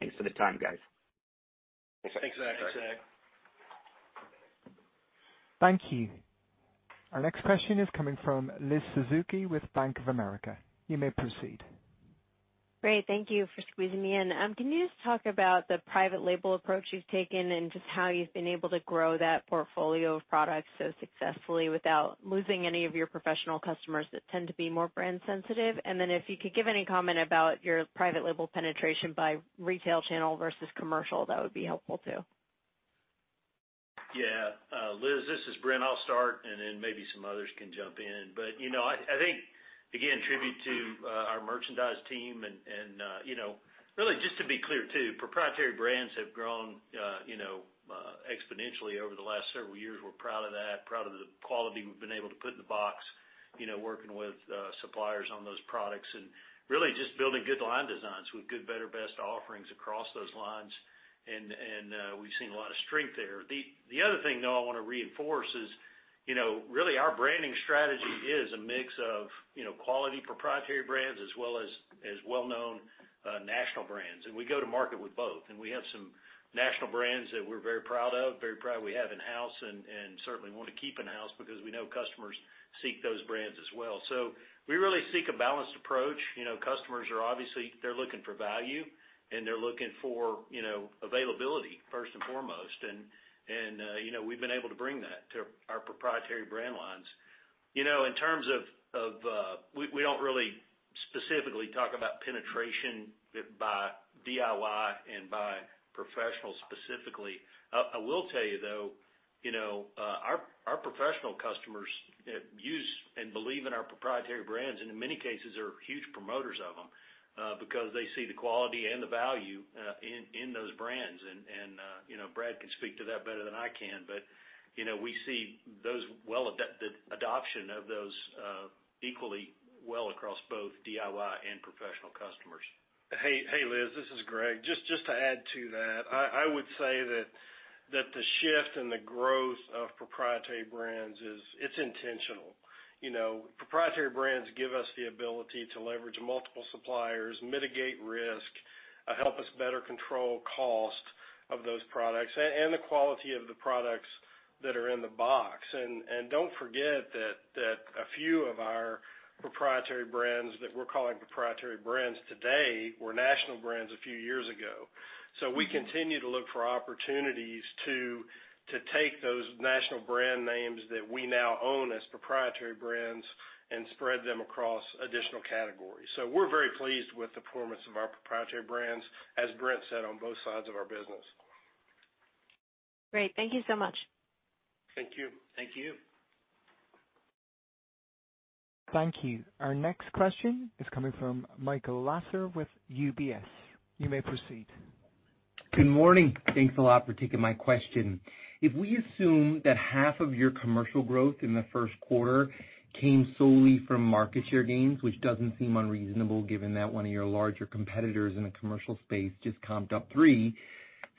Thanks for the time, guys. Thanks, Zach. Thanks, Zach. Thank you. Our next question is coming from Liz Suzuki with Bank of America. You may proceed. Great. Thank you for squeezing me in. Can you just talk about the private label approach you've taken and just how you've been able to grow that portfolio of products so successfully without losing any of your professional customers that tend to be more brand sensitive? Then if you could give any comment about your private label penetration by retail channel versus commercial, that would be helpful too. Yeah. Liz, this is Brent. I'll start, and then maybe some others can jump in. You know, I think, again, tribute to our merchandise team and, you know, really just to be clear too, proprietary brands have grown, you know, exponentially over the last several years. We're proud of that, proud of the quality we've been able to put in the box, you know, working with suppliers on those products and really just building good line designs with good better best offerings across those lines. We've seen a lot of strength there. The other thing, though I wanna reinforce is, you know, really our branding strategy is a mix of, you know, quality proprietary brands as well as well known national brands. We go to market with both. We have some national brands that we're very proud of, very proud we have in-house and certainly wanna keep in-house because we know customers seek those brands as well. We really seek a balanced approach. You know, customers are obviously looking for value, and they're looking for, you know, availability first and foremost. You know, we've been able to bring that to our proprietary brand lines. You know, in terms of, we don't really specifically talk about penetration by DIY and by professionals specifically. I will tell you, though, you know, our professional customers use and believe in our proprietary brands, and in many cases are huge promoters of them because they see the quality and the value in those brands. You know, Brad can speak to that better than I can, but, you know, we see those the adoption of those equally well across both DIY and professional customers. Hey, Liz, this is Greg. Just to add to that, I would say that the shift and the growth of proprietary brands is it's intentional. You know, proprietary brands give us the ability to leverage multiple suppliers, mitigate risk, help us better control cost of those products and the quality of the products that are in the box. Don't forget that a few of our proprietary brands that we're calling proprietary brands today were national brands a few years ago. We continue to look for opportunities to take those national brand names that we now own as proprietary brands and spread them across additional categories. We're very pleased with the performance of our proprietary brands, as Brent said, on both sides of our business. Great. Thank you so much. Thank you. Thank you. Thank you. Our next question is coming from Michael Lasser with UBS. You may proceed. Good morning. Thanks a lot for taking my question. If we assume that half of your commercial growth in the first quarter came solely from market share gains, which doesn't seem unreasonable given that one of your larger competitors in a commercial space just comped up 3%,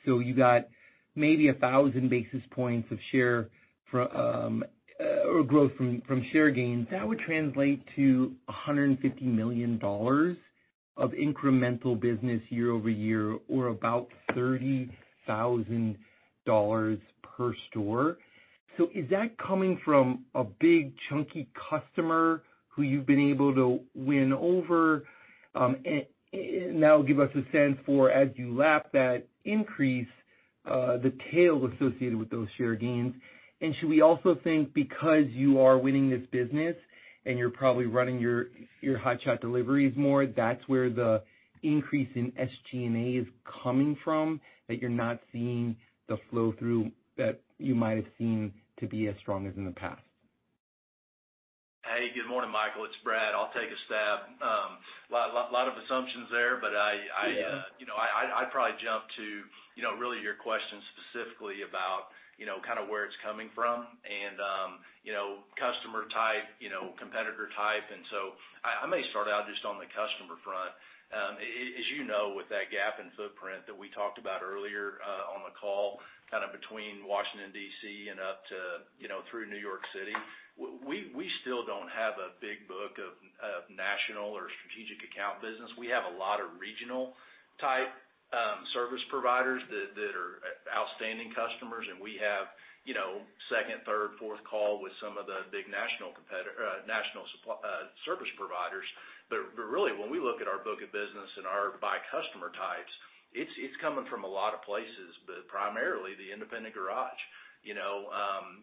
you got maybe 1,000 basis points of share or growth from share gains, that would translate to $150 million of incremental business year-over-year or about $30,000 per store. Is that coming from a big chunky customer who you've been able to win over? And now give us a sense for as you lap that increase, the tail associated with those share gains. Should we also think because you are winning this business and you're probably running your hotshot deliveries more, that's where the increase in SG&A is coming from, that you're not seeing the flow through that you might have seen to be as strong as in the past? Hey, good morning, Michael. It's Brad. I'll take a stab. Lot of assumptions there, but I, you know, I probably jump to, you know, really your question specifically about, you know, kind of where it's coming from and, you know, customer type, you know, competitor type. I may start out just on the customer front. As you know, with that gap in footprint that we talked about earlier, on the call, kind of between Washington D.C. and up to, you know, through New York City, we still don't have a big book of national or strategic account business. We have a lot of regional type, service providers that are, outstanding customers, and we have, you know, second, third, fourth call with some of the big national service providers. Really, when we look at our book of business and our by customer types, it's coming from a lot of places, but primarily the independent garage, you know,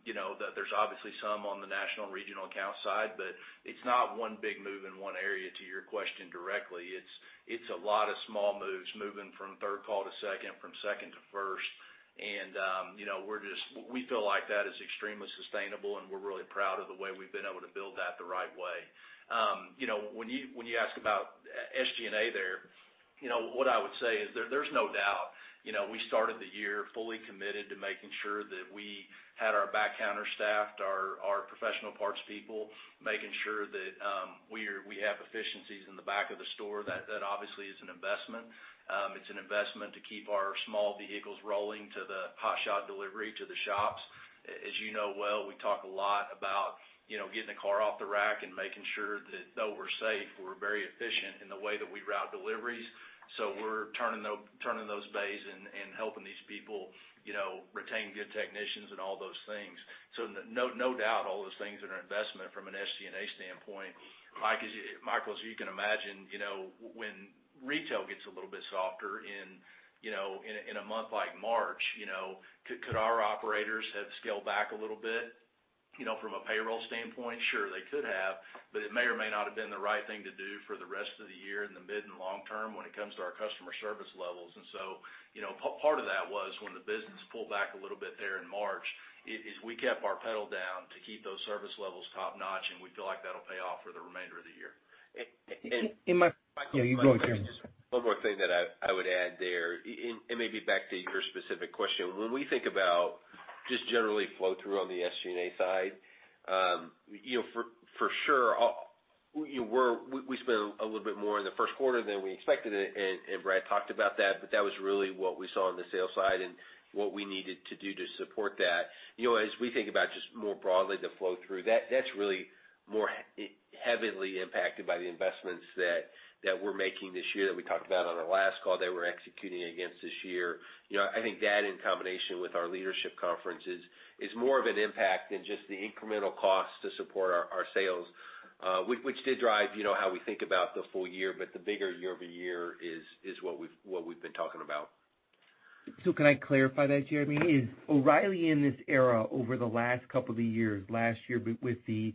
you know. There's obviously some on the national regional account side, but it's not one big move in one area, to your question directly. It's a lot of small moves moving from third call to second, from second to first. you know, We feel like that is extremely sustainable, and we're really proud of the way we've been able to build that the right way. You know, when you ask about SG&A there, you know, what I would say is there's no doubt, you know, we started the year fully committed to making sure that we had our back counter staffed, our professional parts people, making sure that we have efficiencies in the back of the store. That obviously is an investment. It's an investment to keep our small vehicles rolling to the hotshot delivery to the shops. As you know well, we talk a lot about, you know, getting a car off the rack and making sure that though we're safe, we're very efficient in the way that we route deliveries. We're turning those bays and helping these people, you know, retain good technicians and all those things. No, no doubt all those things are an investment from an SG&A standpoint. Mike, Michael, as you can imagine, you know, when retail gets a little bit softer in, you know, in a, in a month like March, you know, could our operators have scaled back a little bit, you know, from a payroll standpoint? Sure, they could have, but it may or may not have been the right thing to do for the rest of the year in the mid- and long-term when it comes to our customer service levels. You know, part of that was when the business pulled back a little bit there in March, is we kept our pedal down to keep those service levels top-notch, and we feel like that'll pay off for the remainder of the year. Michael- Yeah, you go ahead, Jeremy. One more thing that I would add there, and maybe back to your specific question. When we think about just generally flow through on the SG&A side, you know, for sure, we spent a little bit more in the first quarter than we expected, and Brad talked about that. That was really what we saw on the sales side and what we needed to do to support that. You know, as we think about just more broadly the flow through, that's really more heavily impacted by the investments that we're making this year that we talked about on our last call that we're executing against this year. You know, I think that in combination with our leadership conferences is more of an impact than just the incremental cost to support our sales, which did drive, you know, how we think about the full year, the bigger year-over-year is what we've been talking about. Can I clarify that, Jeremy? Is O'Reilly in this era over the last couple of years, last year with the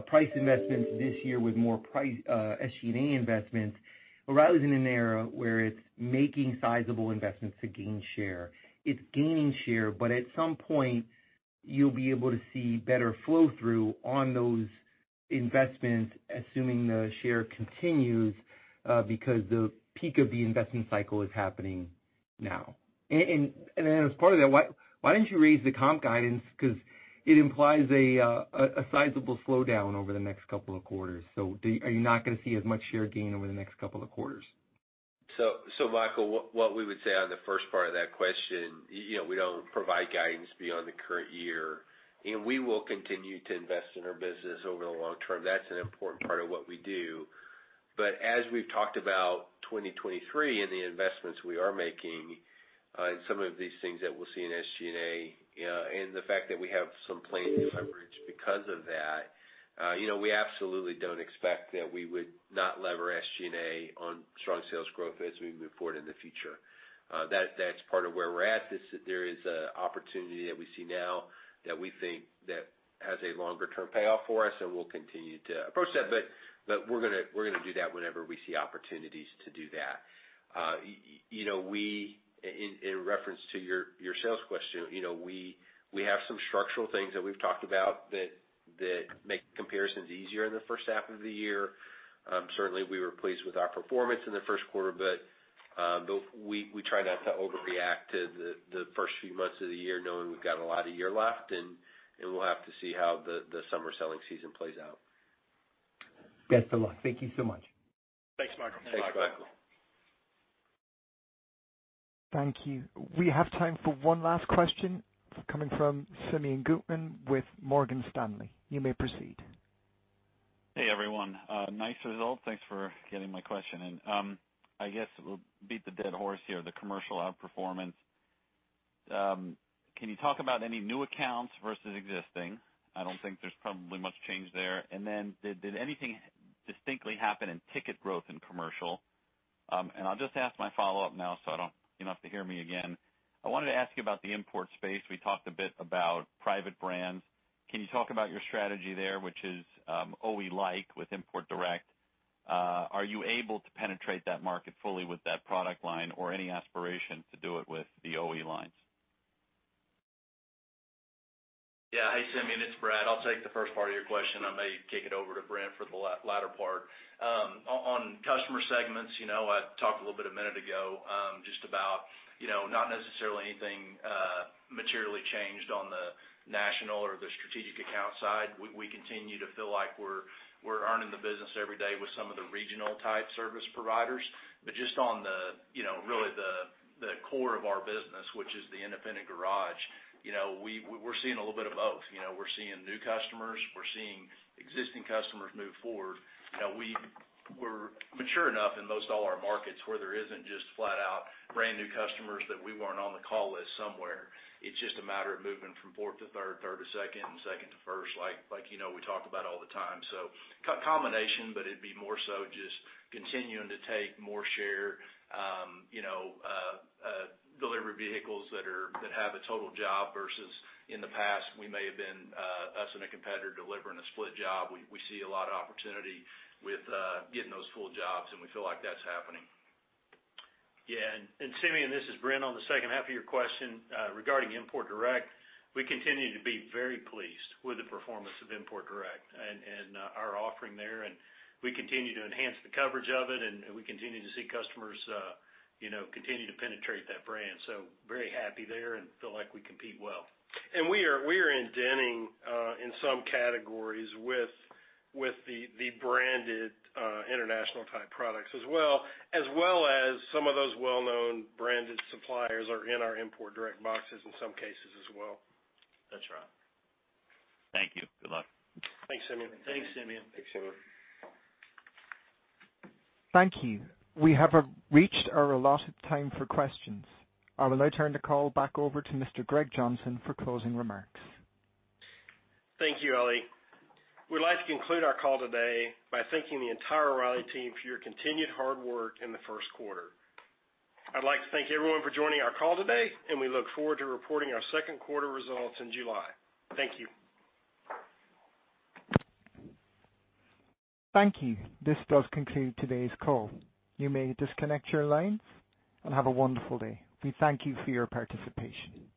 price investments this year with more price, SG&A investments, O'Reilly's in an era where it's making sizable investments to gain share? It's gaining share, but at some point, you'll be able to see better flow through on those investments, assuming the share continues because the peak of the investment cycle is happening now. As part of that, why didn't you raise the comp guidance? It implies a sizable slowdown over the next couple of quarters. Are you not gonna see as much share gain over the next couple of quarters? Michael, what we would say on the first part of that question, you know, we don't provide guidance beyond the current year, we will continue to invest in our business over the long term. That's an important part of what we do. As we've talked about 2023 and the investments we are making, and some of these things that we'll see in SG&A, and the fact that we have some planned leverage because of that, you know, we absolutely don't expect that we would not lever SG&A on strong sales growth as we move forward in the future. That's part of where we're at, is there is a opportunity that we see now that we think that has a longer term payoff for us, and we'll continue to approach that. We're gonna do that whenever we see opportunities to do that. You know, we, in reference to your sales question, you know, we have some structural things that we've talked about that make comparisons easier in the first half of the year. Certainly we were pleased with our performance in the first quarter, but we try not to overreact to the first few months of the year knowing we've got a lot of year left and we'll have to see how the summer selling season plays out. Guys, good luck. Thank you so much. Thanks, Michael. Thanks, Michael. Thank you. We have time for one last question coming from Simeon Gutman with Morgan Stanley. You may proceed. Hey, everyone. Nice result. Thanks for getting my question. I guess we'll beat the dead horse here, the commercial outperformance. Can you talk about any new accounts versus existing? I don't think there's probably much change there. Did anything distinctly happen in ticket growth in commercial? I'll just ask my follow-up now, so I don't you don't have to hear me again. I wanted to ask you about the import space. We talked a bit about private brands. Can you talk about your strategy there, which is OE like with Import Direct? Are you able to penetrate that market fully with that product line or any aspiration to do it with the OE lines? Yeah. Hey, Simeon, it's Brad. I'll take the first part of your question. I may kick it over to Brent for the latter part. On customer segments, you know, I talked a little bit a minute ago, just about, you know, not necessarily anything materially changed on the national or the strategic account side. We continue to feel like we're earning the business every day with some of the regional type service providers. Just on the, you know, really the core of our business, which is the independent garage, you know, we're seeing a little bit of both. You know, we're seeing new customers. We're seeing existing customers move forward. Now we're mature enough in most all our markets where there isn't just flat out brand new customers that we weren't on the call list somewhere. It's just a matter of moving from fourth to third to second to first, like, you know, we talk about all the time. Co-combination, but it'd be more so just continuing to take more share, you know, delivery vehicles that have a total job versus in the past, we may have been us and a competitor delivering a split job. We see a lot of opportunity with getting those full jobs, and we feel like that's happening. Yeah. Simeon, this is Brent on the second half of your question, regarding Import Direct. We continue to be very pleased with the performance of Import Direct, our offering there. We continue to enhance the coverage of it, we continue to see customers, you know, continue to penetrate that brand. Very happy there and feel like we compete well. We are indenting, in some categories with the branded, international type products as well, as well as some of those well-known branded suppliers are in our Import Direct boxes in some cases as well. That's right. Thank you. Good luck. Thanks, Simeon. Thanks, Simeon. Thanks, Simeon. Thank you. We have reached our allotted time for questions. I will now turn the call back over to Mr. Greg Johnson for closing remarks. Thank you, Ali. We'd like to conclude our call today by thanking the entire O'Reilly team for your continued hard work in the first quarter. I'd like to thank everyone for joining our call today. We look forward to reporting our second quarter results in July. Thank you. Thank you. This does conclude today's call. You may disconnect your lines, and have a wonderful day. We thank you for your participation.